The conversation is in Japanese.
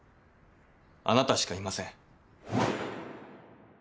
あなたしかいません。